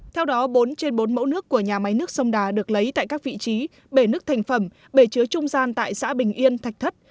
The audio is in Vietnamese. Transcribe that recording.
theo đó bốn trên bốn mẫu nước của nhà máy nước sông đà được lấy tại các vị trí bể nước thành phẩm bể chứa trung gian tại xã bình yên thạch thất